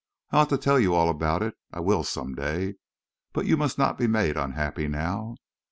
"I ought to tell you all about it. I will some day. But you must not be made unhappy now....